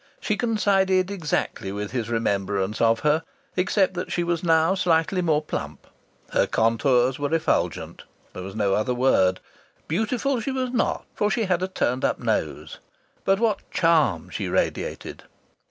She coincided exactly with his remembrance of her, except that she was now slightly more plump. Her contours were effulgent there was no other word. Beautiful she was not, for she had a turned up nose; but what charm she radiated!